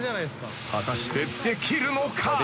［果たしてできるのか？］